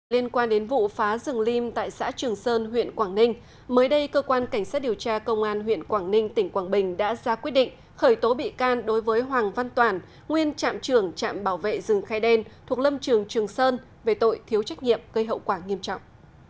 liên quan đến vụ phá rừng lim tại xã trường sơn huyện quảng ninh mới đây cơ quan cảnh sát điều tra công an huyện quảng ninh tỉnh quảng bình đã ra quyết định khởi tố bị can đối với hoàng văn toàn nguyên trạm trưởng trạm bảo vệ rừng khai đen thuộc lâm trường trường sơn về tội thiếu trách nhiệm gây hậu quả nghiêm trọng